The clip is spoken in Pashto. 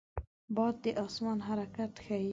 باد د آسمان حرکت ښيي